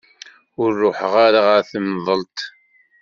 Ur ruḥeɣ ara ɣer temḍelt.